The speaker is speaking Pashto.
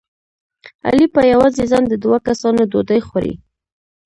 علي په یوازې ځان د دوه کسانو ډوډۍ خوري.